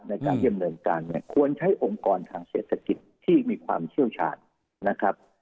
ในการที่ดำเนินการเนี่ยควรใช้องค์กรทางเศรษฐกิจที่มีความเชี่ยวชาญนะครับ